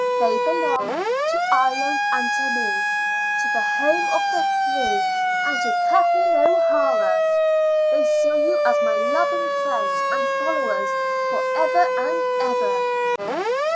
They belong to Ireland and to me to the home of the free and to Kathleen O'Hara. They seal you as my loving friends and followers for ever and ever."